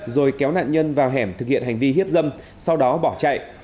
rồi kéo nạn nhân vào hẻm thực hiện hành vi hiếp dâm sau đó bỏ chạy